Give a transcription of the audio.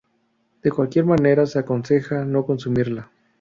De cualquier manera se aconseja no consumirla.